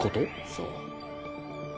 そう。